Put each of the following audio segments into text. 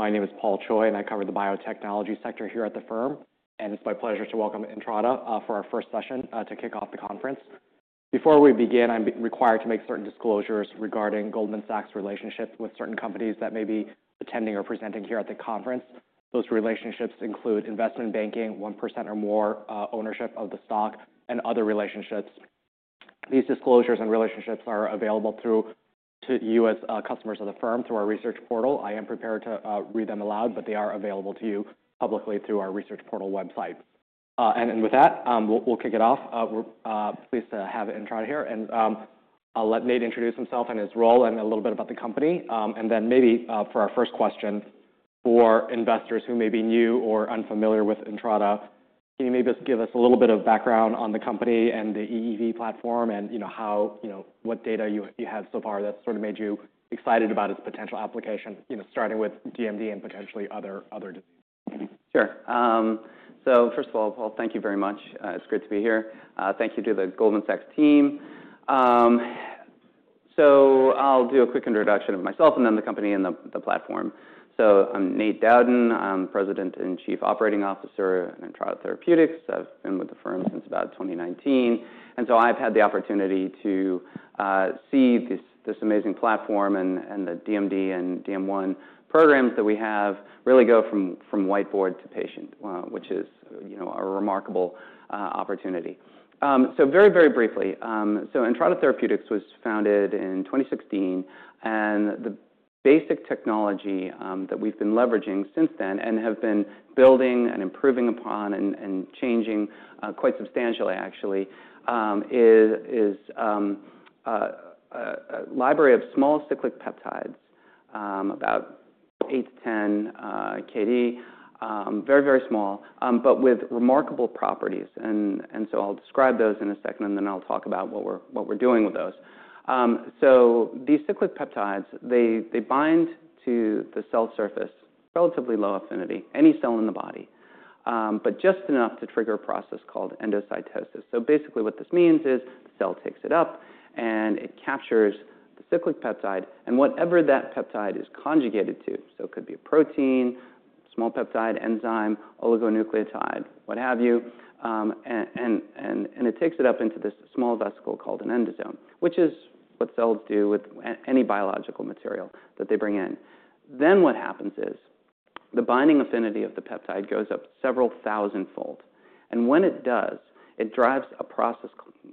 My name is Paul Choi, and I cover the biotechnology sector here at the firm. It is my pleasure to welcome Entrada for our first session to kick off the conference. Before we begin, I am required to make certain disclosures regarding Goldman Sachs' relationships with certain companies that may be attending or presenting here at the conference. Those relationships include investment banking, 1% or more ownership of the stock, and other relationships. These disclosures and relationships are available to you as customers of the firm through our research portal. I am prepared to read them aloud, but they are available to you publicly through our research portal website. With that, we will kick it off. Please have Entrada here, and I will let Nate introduce himself and his role and a little bit about the company. Maybe for our first question, for investors who may be new or unfamiliar with Entrada, can you maybe just give us a little bit of background on the company and the EEV platform and what data you have so far that sort of made you excited about its potential application, starting with DMD and potentially other diseases? Sure. First of all, Paul, thank you very much. It's great to be here. Thank you to the Goldman Sachs team. I'll do a quick introduction of myself and then the company and the platform. I'm Nate Dowden. I'm the President and Chief Operating Officer at Entrada Therapeutics. I've been with the firm since about 2019, and I've had the opportunity to see this amazing platform and the DMD and DM1 programs that we have really go from whiteboard to patient, which is a remarkable opportunity. Very, very briefly, Entrada Therapeutics was founded in 2016. The basic technology that we've been leveraging since then and have been building and improving upon and changing quite substantially, actually, is a library of small cyclic peptides, about 8-10 kD, very, very small, but with remarkable properties. I'll describe those in a second, and then I'll talk about what we're doing with those. These cyclic peptides, they bind to the cell surface, relatively low affinity, any cell in the body, but just enough to trigger a process called endocytosis. Basically, what this means is the cell takes it up, and it captures the cyclic peptide and whatever that peptide is conjugated to. It could be a protein, small peptide, enzyme, oligonucleotide, what have you. It takes it up into this small vesicle called an endosome, which is what cells do with any biological material that they bring in. What happens is the binding affinity of the peptide goes up several thousandfold. When it does, it drives a process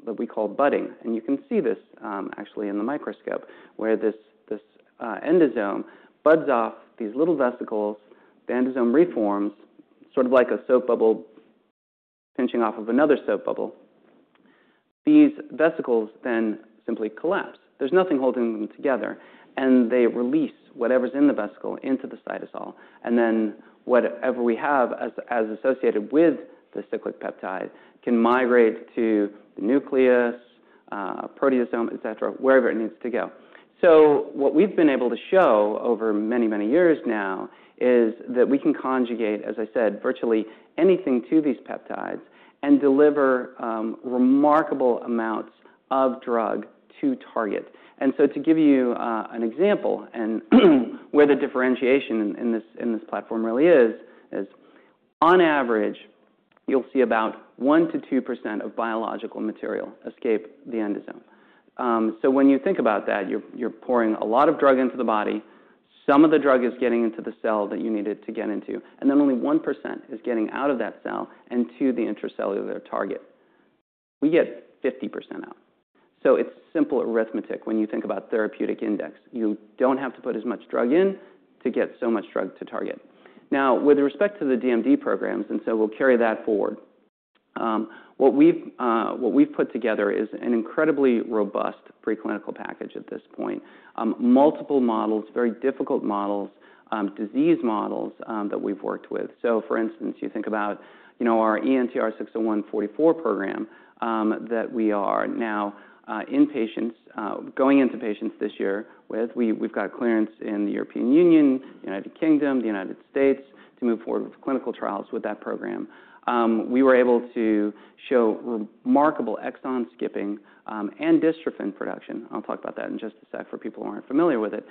that we call budding. You can see this actually in the microscope, where this endosome buds off these little vesicles. The endosome reforms, sort of like a soap bubble pinching off of another soap bubble. These vesicles then simply collapse. There is nothing holding them together. They release whatever is in the vesicle into the cytosol. Whatever we have as associated with the cyclic peptide can migrate to the nucleus, proteasome, et cetera, wherever it needs to go. What we have been able to show over many, many years now is that we can conjugate, as I said, virtually anything to these peptides and deliver remarkable amounts of drug to target. To give you an example and where the differentiation in this platform really is, on average, you will see about 1%-2% of biological material escape the endosome. When you think about that, you are pouring a lot of drug into the body. Some of the drug is getting into the cell that you need it to get into. Only 1% is getting out of that cell and to the intracellular target. We get 50% out. It is simple arithmetic when you think about therapeutic index. You do not have to put as much drug in to get so much drug to target. Now, with respect to the DMD programs, we will carry that forward. What we have put together is an incredibly robust preclinical package at this point, multiple models, very difficult models, disease models that we have worked with. For instance, you think about our ENTR-601-44 program that we are now in patients, going into patients this year with. We have got clearance in the European Union, United Kingdom, the United States to move forward with clinical trials with that program. We were able to show remarkable exon skipping and dystrophin production. I'll talk about that in just a sec for people who aren't familiar with it,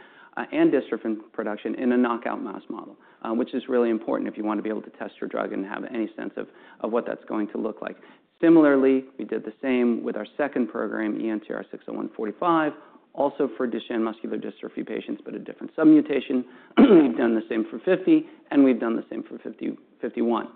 and dystrophin production in a knockout mouse model, which is really important if you want to be able to test your drug and have any sense of what that's going to look like. Similarly, we did the same with our second program, ENTR-601-45, also for Duchenne Muscular Dystrophy patients, but a different submutation. We've done the same for 50, and we've done the same for 51.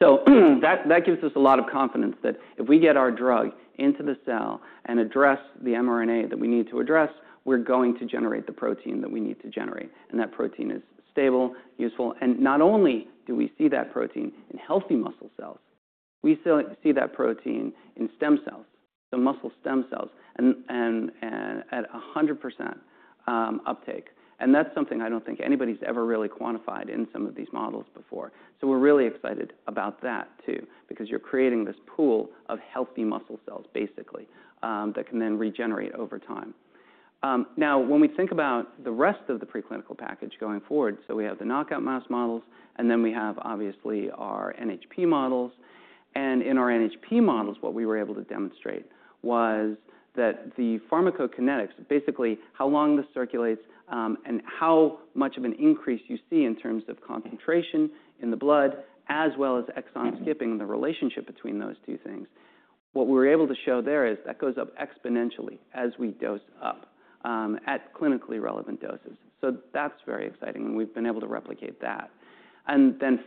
That gives us a lot of confidence that if we get our drug into the cell and address the mRNA that we need to address, we're going to generate the protein that we need to generate. That protein is stable, useful. Not only do we see that protein in healthy muscle cells, we see that protein in stem cells, so muscle stem cells, and at 100% uptake. That is something I do not think anybody's ever really quantified in some of these models before. We are really excited about that too, because you are creating this pool of healthy muscle cells, basically, that can then regenerate over time. Now, when we think about the rest of the preclinical package going forward, we have the knockout mouse models, and then we have, obviously, our NHP models. In our NHP models, what we were able to demonstrate was that the pharmacokinetics, basically how long this circulates and how much of an increase you see in terms of concentration in the blood, as well as exon skipping and the relationship between those two things, what we were able to show there is that goes up exponentially as we dose up at clinically relevant doses. That is very exciting, and we've been able to replicate that.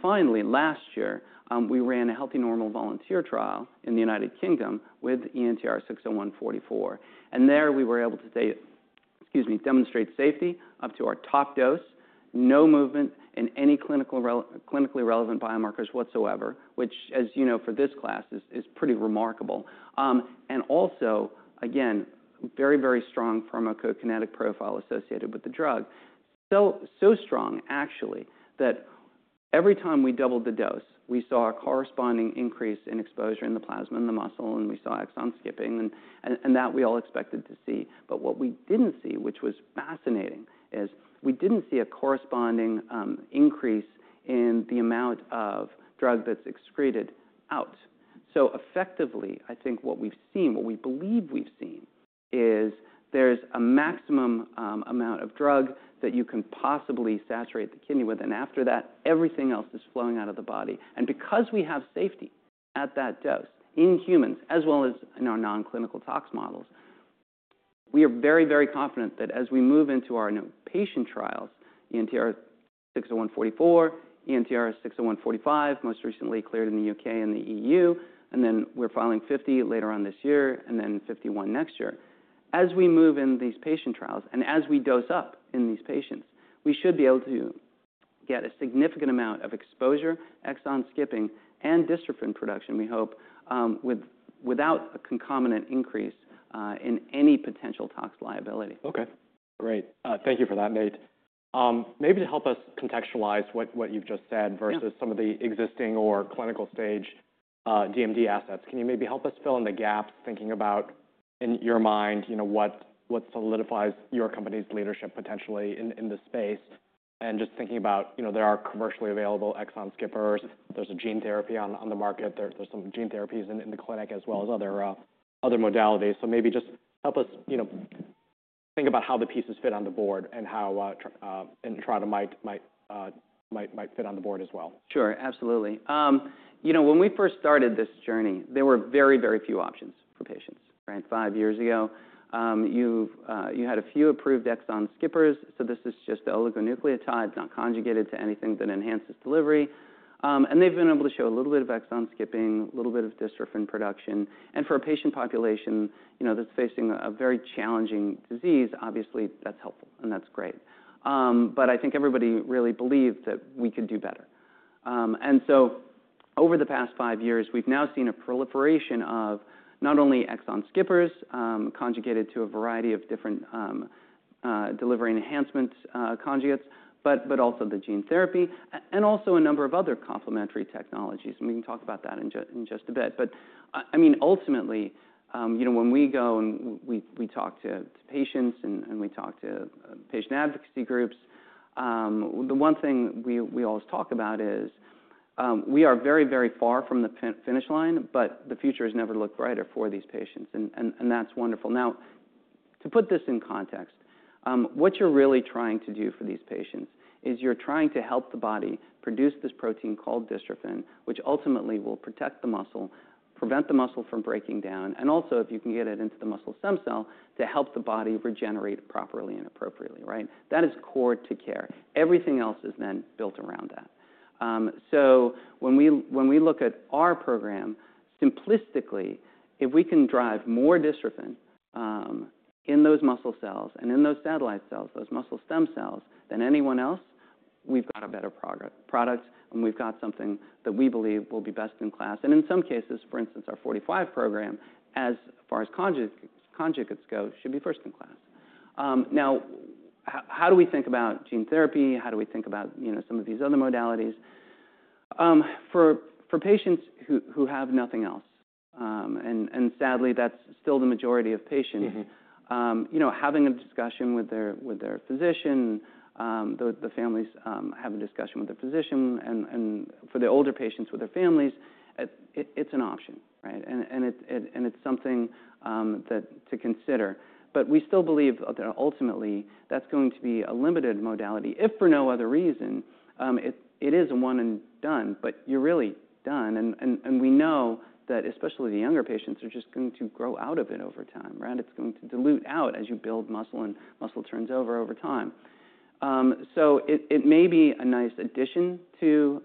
Finally, last year, we ran a healthy normal volunteer trial in the United Kingdom with ENTR-601-44. There we were able to demonstrate safety up to our top dose, no movement in any clinically relevant biomarkers whatsoever, which, as you know, for this class, is pretty remarkable. Also, again, very, very strong pharmacokinetic profile associated with the drug. Actually, every time we doubled the dose, we saw a corresponding increase in exposure in the plasma and the muscle, and we saw exon skipping, and that we all expected to see. What we did not see, which was fascinating, is we did not see a corresponding increase in the amount of drug that is excreted out. Effectively, I think what we have seen, what we believe we have seen, is there is a maximum amount of drug that you can possibly saturate the kidney with. After that, everything else is flowing out of the body. Because we have safety at that dose in humans, as well as in our non-clinical tox models, we are very, very confident that as we move into our patient trials, ENTR-601-44, ENTR-601-45, most recently cleared in the U.K. and the EU, and then we are filing 50 later on this year and then 51 next year, as we move in these patient trials and as we dose up in these patients, we should be able to get a significant amount of exposure, exon skipping, and dystrophin production, we hope, without a concomitant increase in any potential tox liability. OK. Great. Thank you for that, Nate. Maybe to help us contextualize what you've just said versus some of the existing or clinical stage DMD assets, can you maybe help us fill in the gaps, thinking about, in your mind, what solidifies your company's leadership potentially in the space? Just thinking about there are commercially available exon skippers. There's a gene therapy on the market. There are some gene therapies in the clinic, as well as other modalities. Maybe just help us think about how the pieces fit on the board and how Entrada might fit on the board as well. Sure. Absolutely. When we first started this journey, there were very, very few options for patients. Five years ago, you had a few approved exon skippers. This is just the oligonucleotide, not conjugated to anything that enhances delivery. They have been able to show a little bit of exon skipping, a little bit of dystrophin production. For a patient population that is facing a very challenging disease, obviously, that is helpful, and that is great. I think everybody really believed that we could do better. Over the past five years, we have now seen a proliferation of not only exon skippers conjugated to a variety of different delivery enhancement conjugates, but also gene therapy and a number of other complementary technologies. We can talk about that in just a bit. I mean, ultimately, when we go and we talk to patients and we talk to patient advocacy groups, the one thing we always talk about is we are very, very far from the finish line, but the future has never looked brighter for these patients. That is wonderful. Now, to put this in context, what you're really trying to do for these patients is you're trying to help the body produce this protein called dystrophin, which ultimately will protect the muscle, prevent the muscle from breaking down, and also, if you can get it into the muscle stem cell, to help the body regenerate properly and appropriately. That is core to care. Everything else is then built around that. When we look at our program, simplistically, if we can drive more dystrophin in those muscle cells and in those satellite cells, those muscle stem cells, than anyone else, we've got a better product, and we've got something that we believe will be best in class. In some cases, for instance, our 45 program, as far as conjugates go, should be first in class. Now, how do we think about gene therapy? How do we think about some of these other modalities? For patients who have nothing else, and sadly, that's still the majority of patients, having a discussion with their physician, the families have a discussion with their physician, and for the older patients with their families, it's an option. It's something to consider. We still believe that ultimately, that's going to be a limited modality. If for no other reason, it is one and done, but you're really done. We know that especially the younger patients are just going to grow out of it over time. It's going to dilute out as you build muscle and muscle turns over over time. It may be a nice addition to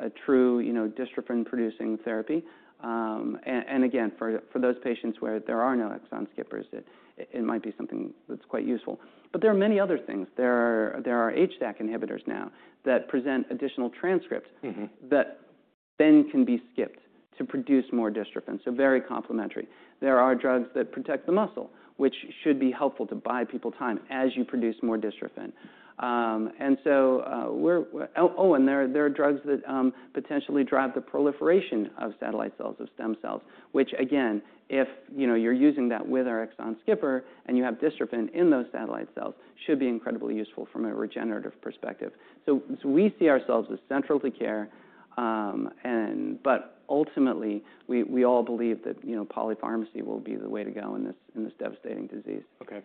a true dystrophin-producing therapy. Again, for those patients where there are no exon skippers, it might be something that's quite useful. There are many other things. There are HDAC inhibitors now that present additional transcripts that then can be skipped to produce more dystrophin. Very complementary. There are drugs that protect the muscle, which should be helpful to buy people time as you produce more dystrophin. There are drugs that potentially drive the proliferation of satellite cells, of stem cells, which, again, if you're using that with our exon skipper and you have dystrophin in those satellite cells, should be incredibly useful from a regenerative perspective. We see ourselves as central to care, but ultimately, we all believe that polypharmacy will be the way to go in this devastating disease. OK.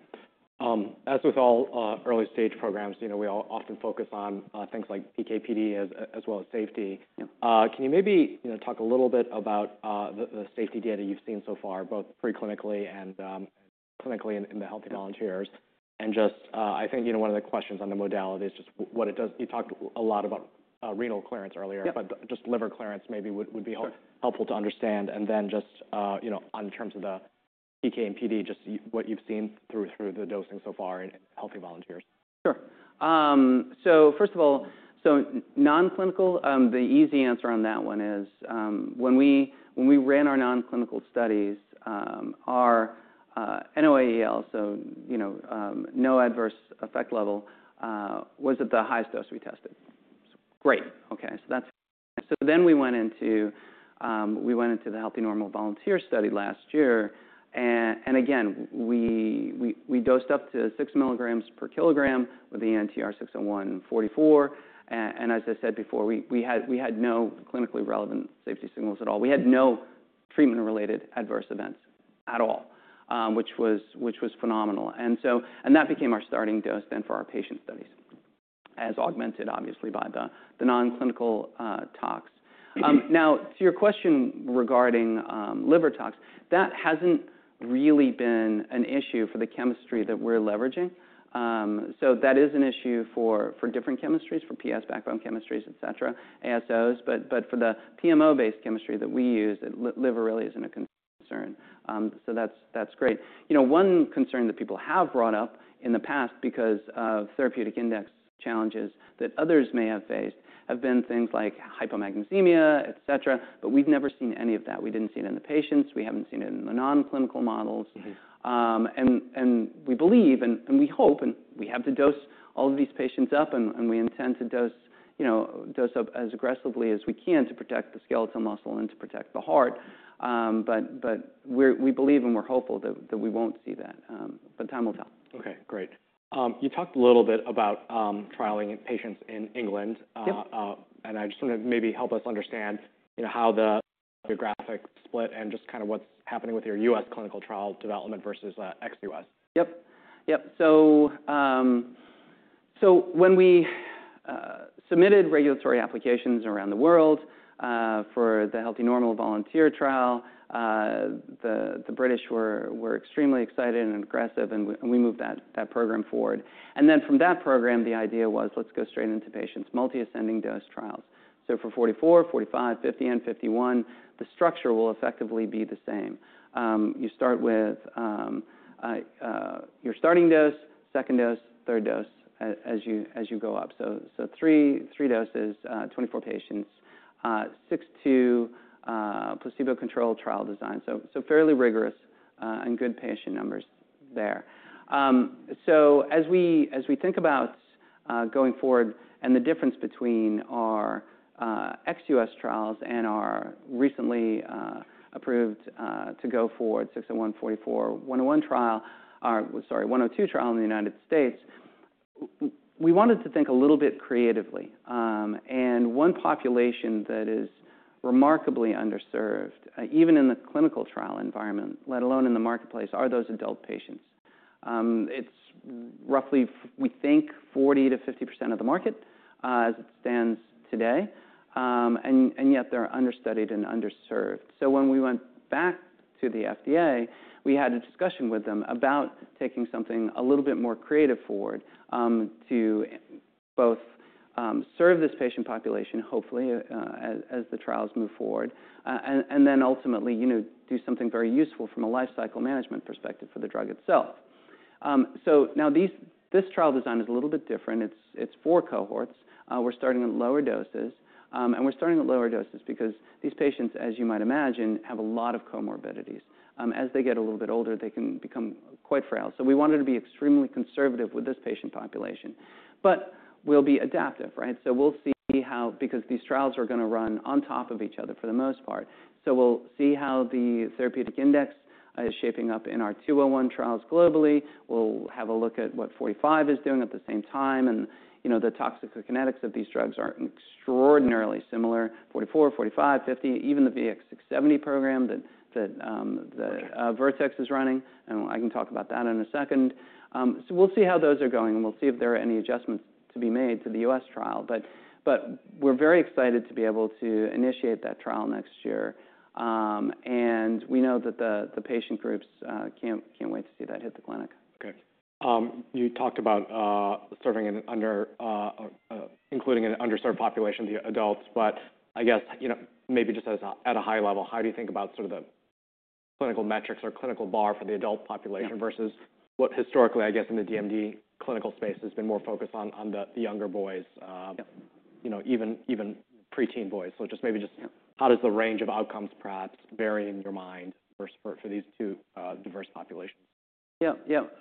As with all early stage programs, we often focus on things like PKPD as well as safety. Can you maybe talk a little bit about the safety data you've seen so far, both preclinically and clinically in the healthy volunteers? I think one of the questions on the modality is just what it does. You talked a lot about renal clearance earlier, but just liver clearance maybe would be helpful to understand. In terms of the PK and PD, just what you've seen through the dosing so far in healthy volunteers. Sure. First of all, non-clinical, the easy answer on that one is when we ran our non-clinical studies, our NOAEL, so No Observed Adverse Effect Level, was at the highest dose we tested. Great. OK. We went into the healthy normal volunteer study last year. Again, we dosed up to 6 mg per kg with the ENTR-601-44. As I said before, we had no clinically relevant safety signals at all. We had no treatment-related adverse events at all, which was phenomenal. That became our starting dose for our patient studies, as augmented, obviously, by the non-clinical tox. Now, to your question regarding liver tox, that has not really been an issue for the chemistry that we are leveraging. That is an issue for different chemistries, for PS backbone chemistries, et cetera, ASOs. For the PMO-based chemistry that we use, liver really is not a concern. That is great. One concern that people have brought up in the past because of therapeutic index challenges that others may have faced has been things like hypomagnesemia, et cetera. We have never seen any of that. We did not see it in the patients. We have not seen it in the non-clinical models. We believe, and we hope, and we have to dose all of these patients up, and we intend to dose up as aggressively as we can to protect the skeletal muscle and to protect the heart. We believe and we are hopeful that we will not see that. Time will tell. OK. Great. You talked a little bit about trialing patients in England. I just want to maybe help us understand how the geographic split and just kind of what's happening with your U.S. clinical trial development versus ex-U.S. Yep. Yep. When we submitted regulatory applications around the world for the healthy normal volunteer trial, the British were extremely excited and aggressive, and we moved that program forward. From that program, the idea was let's go straight into patients' multi-ascending dose trials. For 44, 45, 50, and 51, the structure will effectively be the same. You start with your starting dose, second dose, third dose as you go up. Three doses, 24 patients, 6/2 placebo-controlled trial design. Fairly rigorous and good patient numbers there. As we think about going forward and the difference between our ex-U.S. trials and our recently approved to go forward ENTR-601-44-101 trial, sorry, 102 trial in the United States, we wanted to think a little bit creatively. One population that is remarkably underserved, even in the clinical trial environment, let alone in the marketplace, are those adult patients. It's roughly, we think, 40%-50% of the market as it stands today. Yet they're understudied and underserved. When we went back to the FDA, we had a discussion with them about taking something a little bit more creative forward to both serve this patient population, hopefully, as the trials move forward, and then ultimately do something very useful from a lifecycle management perspective for the drug itself. Now this trial design is a little bit different. It's four cohorts. We're starting at lower doses. We're starting at lower doses because these patients, as you might imagine, have a lot of comorbidities. As they get a little bit older, they can become quite frail. We wanted to be extremely conservative with this patient population. We'll be adaptive. We'll see how, because these trials are going to run on top of each other for the most part. We'll see how the therapeutic index is shaping up in our 201 trials globally. We'll have a look at what 45 is doing at the same time. The toxicokinetics of these drugs are extraordinarily similar: 44, 45, 50, even the VX-670 program that Vertex is running. I can talk about that in a second. We'll see how those are going, and we'll see if there are any adjustments to be made to the U.S. trial. We're very excited to be able to initiate that trial next year. We know that the patient groups can't wait to see that hit the clinic. OK. You talked about serving and including an underserved population, the adults. I guess maybe just at a high level, how do you think about sort of the clinical metrics or clinical bar for the adult population versus what historically, I guess, in the DMD clinical space has been more focused on the younger boys, even preteen boys? Maybe just how does the range of outcomes perhaps vary in your mind for these two diverse populations? Yep. Yep.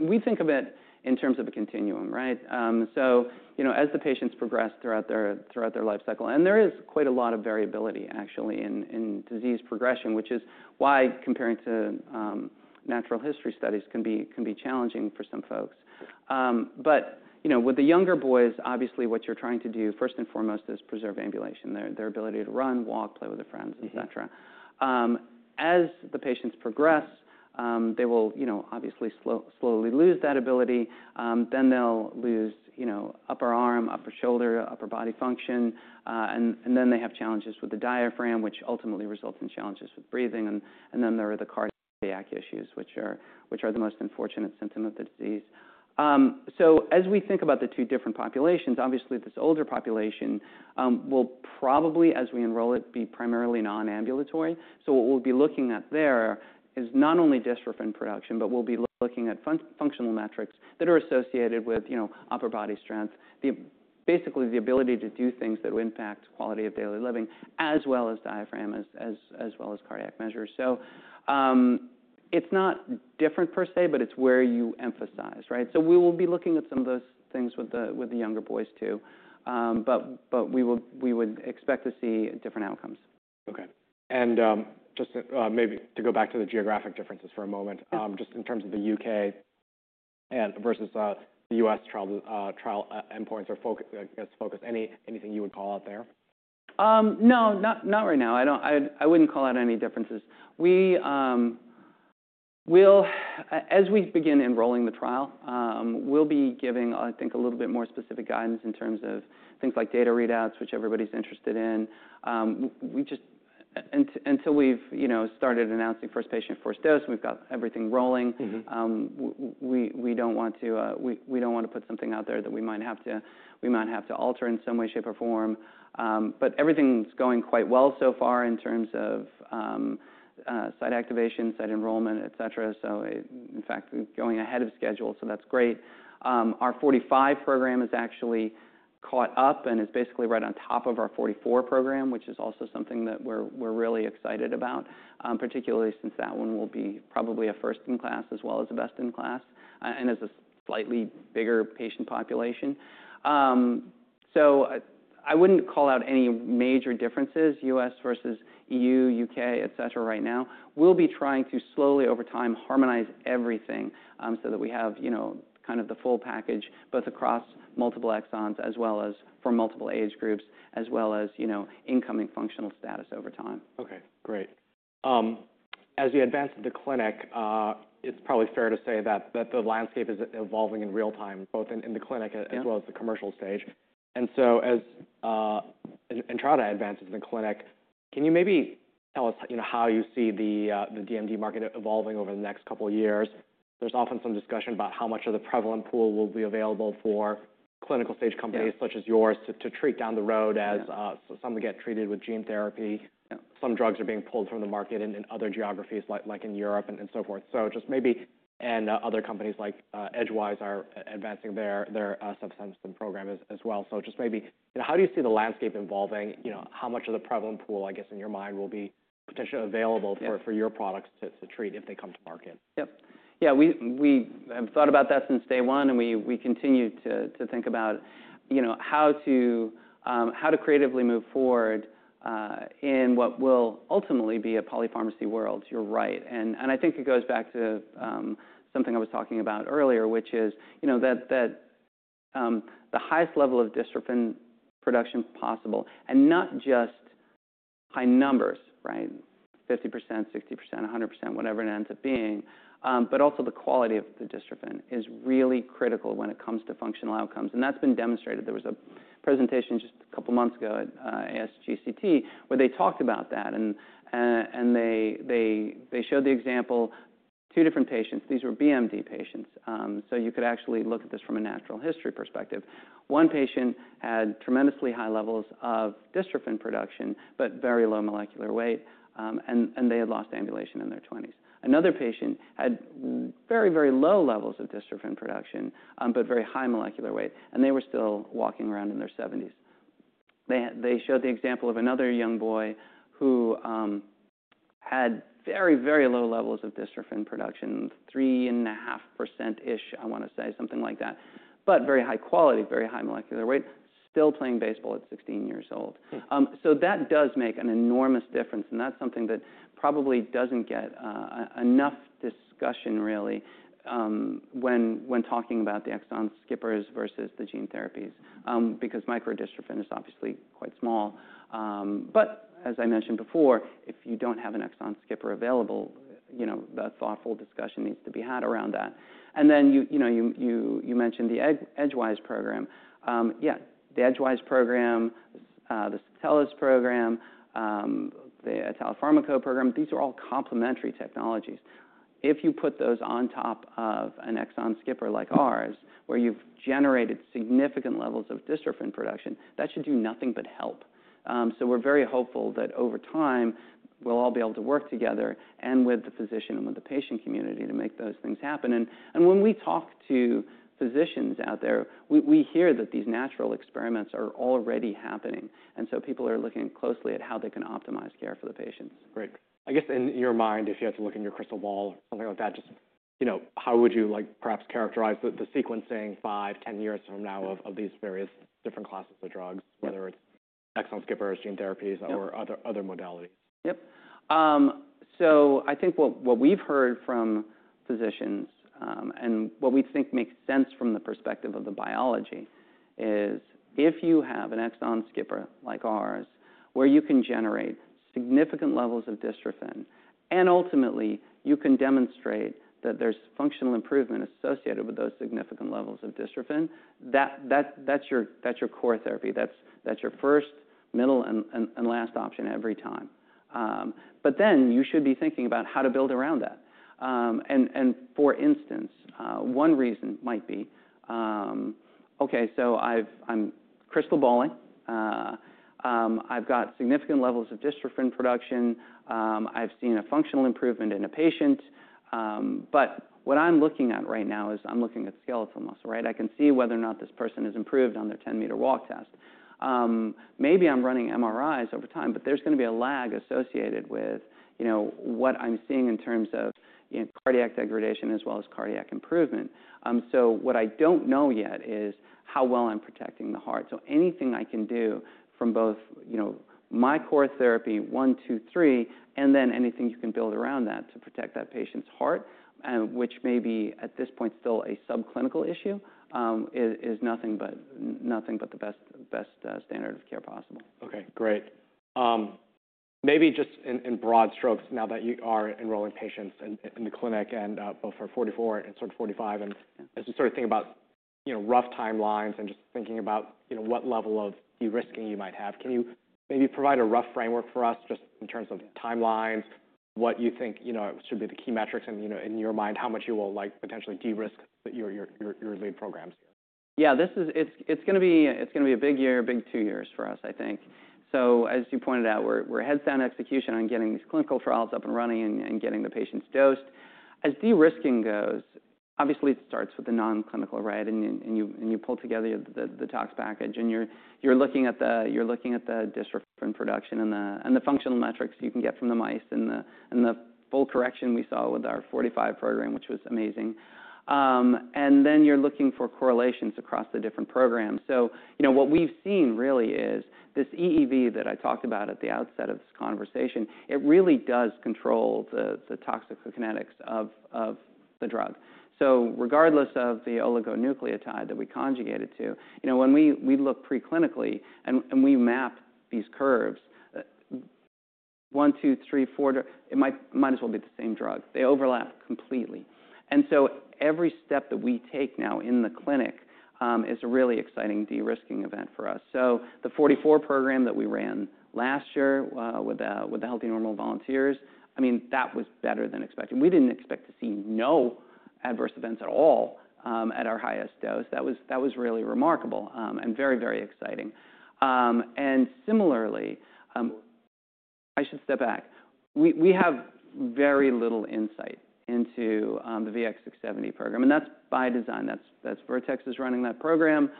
We think of it in terms of a continuum. As the patients progress throughout their lifecycle, and there is quite a lot of variability, actually, in disease progression, which is why comparing to natural history studies can be challenging for some folks. With the younger boys, obviously, what you're trying to do, first and foremost, is preserve ambulation, their ability to run, walk, play with their friends, et cetera. As the patients progress, they will obviously slowly lose that ability. They will lose upper arm, upper shoulder, upper body function. They have challenges with the diaphragm, which ultimately results in challenges with breathing. There are the cardiac issues, which are the most unfortunate symptom of the disease. As we think about the two different populations, obviously, this older population will probably, as we enroll it, be primarily non-ambulatory. What we'll be looking at there is not only dystrophin production, but we'll be looking at functional metrics that are associated with upper body strength, basically the ability to do things that will impact quality of daily living, as well as diaphragm, as well as cardiac measures. It's not different per se, but it's where you emphasize. We will be looking at some of those things with the younger boys too. We would expect to see different outcomes. OK. Just maybe to go back to the geographic differences for a moment, just in terms of the U.K. versus the U.S. trial endpoints or focus, anything you would call out there? No. Not right now. I would not call out any differences. As we begin enrolling the trial, we will be giving, I think, a little bit more specific guidance in terms of things like data readouts, which everybody is interested in. Until we have started announcing first patient, first dose, we have got everything rolling. We do not want to put something out there that we might have to alter in some way, shape, or form. Everything is going quite well so far in terms of site activation, site enrollment, et cetera. In fact, going ahead of schedule, so that is great. Our 45 program has actually caught up and is basically right on top of our 44 program, which is also something that we are really excited about, particularly since that one will be probably a first in class as well as a best in class and as a slightly bigger patient population. I would not call out any major differences U.S. versus EU, U.K., et cetera right now. We will be trying to slowly over time harmonize everything so that we have kind of the full package both across multiple exons as well as for multiple age groups as well as incoming functional status over time. OK. Great. As you advance into clinic, it's probably fair to say that the landscape is evolving in real time, both in the clinic as well as the commercial stage. As Entrada advances in the clinic, can you maybe tell us how you see the DMD market evolving over the next couple of years? There's often some discussion about how much of the prevalent pool will be available for clinical stage companies such as yours to treat down the road as some get treated with gene therapy. Some drugs are being pulled from the market in other geographies, like in Europe and so forth. Just maybe. Other companies like Edgewise are advancing their subsystem program as well. Just maybe how do you see the landscape evolving? How much of the prevalent pool, I guess in your mind, will be potentially available for your products to treat if they come to market? Yep. Yeah. We have thought about that since day one, and we continue to think about how to creatively move forward in what will ultimately be a polypharmacy world, you're right. I think it goes back to something I was talking about earlier, which is that the highest level of dystrophin production possible, and not just high numbers, 50%, 60%, 100%, whatever it ends up being, but also the quality of the dystrophin is really critical when it comes to functional outcomes. That's been demonstrated. There was a presentation just a couple of months ago at ASGCT where they talked about that. They showed the example of two different patients. These were BMD patients. You could actually look at this from a natural history perspective. One patient had tremendously high levels of dystrophin production, but very low molecular weight. They had lost ambulation in their 20s. Another patient had very, very low levels of dystrophin production, but very high molecular weight. They were still walking around in their 70s. They showed the example of another young boy who had very, very low levels of dystrophin production, 3.5%-ish, I want to say, something like that, but very high quality, very high molecular weight, still playing baseball at 16 years old. That does make an enormous difference. That is something that probably does not get enough discussion, really, when talking about the exon skippers versus the gene therapies because microdystrophin is obviously quite small. As I mentioned before, if you do not have an exon skipper available, the thoughtful discussion needs to be had around that. You mentioned the Edgewise program. Yeah. The Edgewise program, the Satellos program, the Italfarmaco program, these are all complementary technologies. If you put those on top of an exon skipper like ours, where you've generated significant levels of dystrophin production, that should do nothing but help. We are very hopeful that over time, we'll all be able to work together and with the physician and with the patient community to make those things happen. When we talk to physicians out there, we hear that these natural experiments are already happening. People are looking closely at how they can optimize care for the patients. Great. I guess in your mind, if you had to look in your crystal ball or something like that, just how would you perhaps characterize the sequencing 5-10 years from now of these various different classes of drugs, whether it's exon skippers, gene therapies, or other modalities? Yep. I think what we've heard from physicians and what we think makes sense from the perspective of the biology is if you have an exon skipper like ours where you can generate significant levels of dystrophin and ultimately you can demonstrate that there's functional improvement associated with those significant levels of dystrophin, that's your core therapy. That's your first, middle, and last option every time. You should be thinking about how to build around that. For instance, one reason might be, OK, so I'm crystal balling. I've got significant levels of dystrophin production. I've seen a functional improvement in a patient. What I'm looking at right now is I'm looking at skeletal muscle. I can see whether or not this person has improved on their 10-meter walk test. Maybe I'm running MRIs over time, but there's going to be a lag associated with what I'm seeing in terms of cardiac degradation as well as cardiac improvement. What I don't know yet is how well I'm protecting the heart. Anything I can do from both my core therapy, one, two, three, and then anything you can build around that to protect that patient's heart, which may be at this point still a subclinical issue, is nothing but the best standard of care possible. OK. Great. Maybe just in broad strokes, now that you are enrolling patients in the clinic and both for 44 and sort of 45, and as you sort of think about rough timelines and just thinking about what level of de-risking you might have, can you maybe provide a rough framework for us just in terms of timelines, what you think should be the key metrics in your mind, how much you will potentially de-risk your lead programs? Yeah. It's going to be a big year, big two years for us, I think. As you pointed out, we're heads down execution on getting these clinical trials up and running and getting the patients dosed. As de-risking goes, obviously, it starts with the nonclinical, right? You pull together the tox package. You're looking at the dystrophin production and the functional metrics you can get from the mice and the full correction we saw with our 45 program, which was amazing. You're looking for correlations across the different programs. What we've seen really is this EEV that I talked about at the outset of this conversation, it really does control the toxic kinetics of the drug. Regardless of the oligonucleotide that we conjugated to, when we look preclinically and we map these curves, one, two, three, four, it might as well be the same drug. They overlap completely. Every step that we take now in the clinic is a really exciting de-risking event for us. The 44 program that we ran last year with the healthy normal volunteers, I mean, that was better than expected. We did not expect to see no adverse events at all at our highest dose. That was really remarkable and very, very exciting. Similarly, I should step back. We have very little insight into the VX-670 program. That is by design. Vertex is running that program.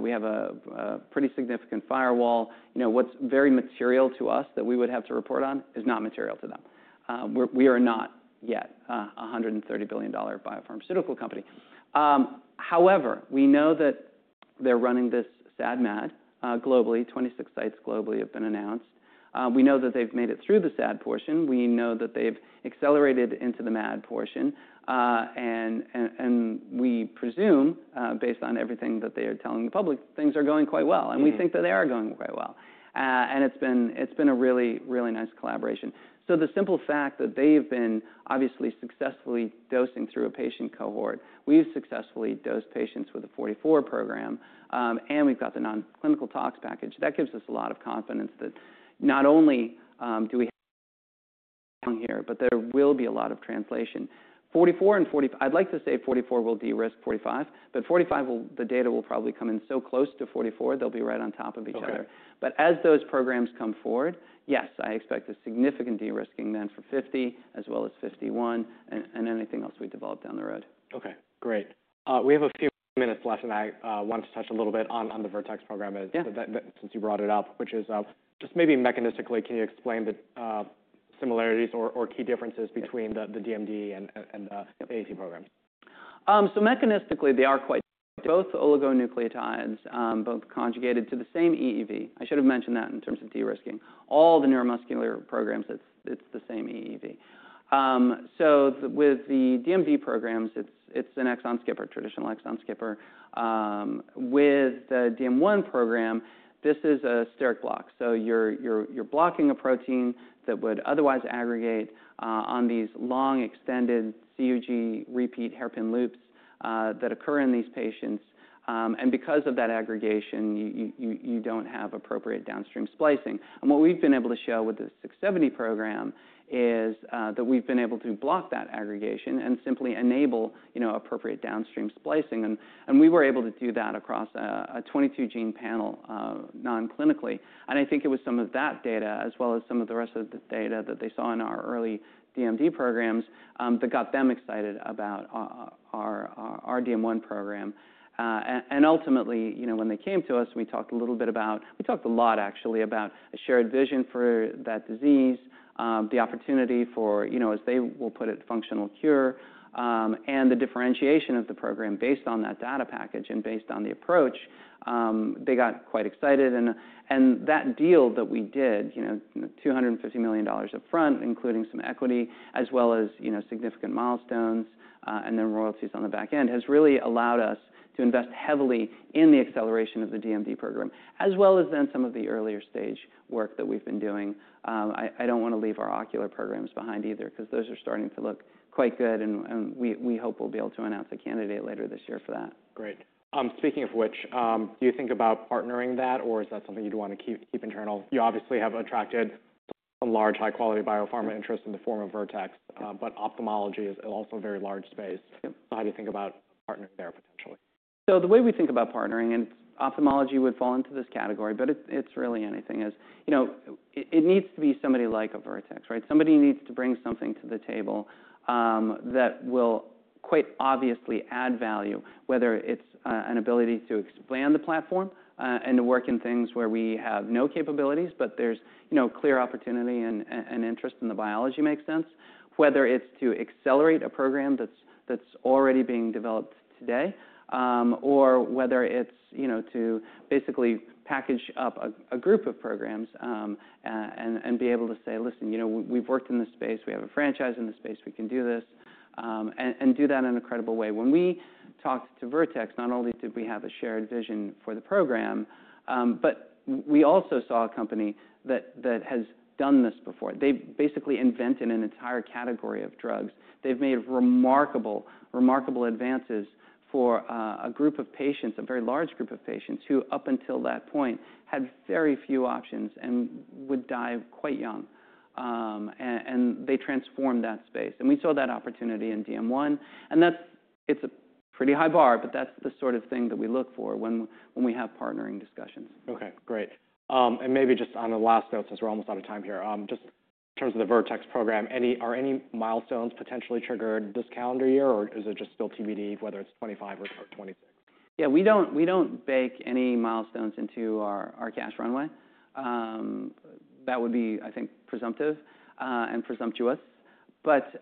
We have a pretty significant firewall. What is very material to us that we would have to report on is not material to them. We are not yet a $130 billion biopharmaceutical company. However, we know that they're running this SAD-MAD globally. 26 sites globally have been announced. We know that they've made it through the SAD portion. We know that they've accelerated into the MAD portion. We presume, based on everything that they are telling the public, things are going quite well. We think that they are going quite well. It's been a really, really nice collaboration. The simple fact that they have been obviously successfully dosing through a patient cohort, we've successfully dosed patients with the 44 program, and we've got the nonclinical tox package. That gives us a lot of confidence that not only do we have here but there will be a lot of translation. 44 and 45, I'd like to say 44 will de-risk 45. 45, the data will probably come in so close to 44, they'll be right on top of each other. As those programs come forward, yes, I expect a significant de-risking then for 50 as well as fifty-one and anything else we develop down the road. OK. Great. We have a few minutes left, and I wanted to touch a little bit on the Vertex program since you brought it up, which is just maybe mechanistically, can you explain the similarities or key differences between the DMD and the AET programs? Mechanistically, they are both oligonucleotides, both conjugated to the same EEV. I should have mentioned that in terms of de-risking. All the neuromuscular programs, it's the same EEV. With the DMD programs, it's an exon skipper, traditional exon skipper. With the DM1 program, this is a steric block. You're blocking a protein that would otherwise aggregate on these long extended CUG repeat hairpin loops that occur in these patients. Because of that aggregation, you do not have appropriate downstream splicing. What we have been able to show with the 670 program is that we have been able to block that aggregation and simply enable appropriate downstream splicing. We were able to do that across a 22-gene panel nonclinically. I think it was some of that data as well as some of the rest of the data that they saw in our early DMD programs that got them excited about our DM1 program. Ultimately, when they came to us, we talked a little bit about—we talked a lot, actually, about a shared vision for that disease, the opportunity for, as they will put it, functional cure, and the differentiation of the program based on that data package and based on the approach. They got quite excited. That deal that we did, $250 million upfront, including some equity as well as significant milestones and then royalties on the back end, has really allowed us to invest heavily in the acceleration of the DMD program as well as some of the earlier stage work that we've been doing. I don't want to leave our ocular programs behind either because those are starting to look quite good. We hope we'll be able to announce a candidate later this year for that. Great. Speaking of which, do you think about partnering that, or is that something you'd want to keep internal? You obviously have attracted a large high-quality biopharma interest in the form of Vertex, but ophthalmology is also a very large space. How do you think about partnering there potentially? The way we think about partnering, and ophthalmology would fall into this category, but it's really anything, is it needs to be somebody like a Vertex, right? Somebody needs to bring something to the table that will quite obviously add value, whether it's an ability to expand the platform and to work in things where we have no capabilities, but there's clear opportunity and interest and the biology makes sense, whether it's to accelerate a program that's already being developed today, or whether it's to basically package up a group of programs and be able to say, listen, we've worked in this space. We have a franchise in this space. We can do this and do that in an incredible way. When we talked to Vertex, not only did we have a shared vision for the program, but we also saw a company that has done this before. They basically invented an entire category of drugs. They've made remarkable, remarkable advances for a group of patients, a very large group of patients who up until that point had very few options and would die quite young. They transformed that space. We saw that opportunity in DM1. It's a pretty high bar, but that's the sort of thing that we look for when we have partnering discussions. OK. Great. Maybe just on the last note, since we're almost out of time here, just in terms of the Vertex program, are any milestones potentially triggered this calendar year, or is it just still TBD, whether it's 2025 or 2026? Yeah. We do not bake any milestones into our cash runway. That would be, I think, presumptive and presumptuous. As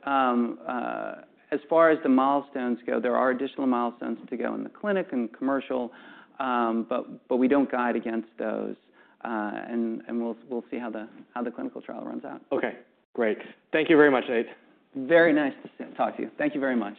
far as the milestones go, there are additional milestones to go in the clinic and commercial. We do not guide against those. We will see how the clinical trial runs out. OK. Great. Thank you very much, Nate. Very nice to talk to you. Thank you very much.